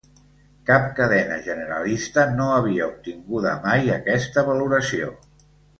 Cap cadena generalista no havia obtinguda mai aquesta valoració.